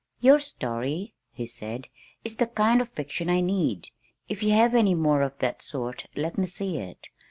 "Your story," he said, "is the kind of fiction I need. If you have any more of that sort let me see it.